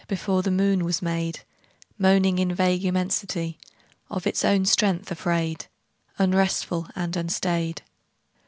Before the moon was made, Moaning in vague immensity, Of its own strength afraid, Unresful and unstaid.